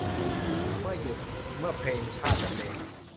เมื่อหยุด เมื่อเพลงชาติบรรเลง